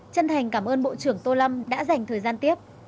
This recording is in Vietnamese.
chân thành cảm ơn bộ trưởng tô lâm đã dành thời gian tiếp